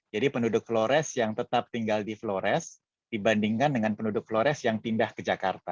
jadi penduduk flores yang tetap tinggal di flores dibandingkan dengan penduduk flores yang pindah ke jakarta